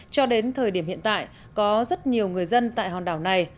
cho đến thời điểm hiện tại có rất nhiều người dân tại hòn đảo này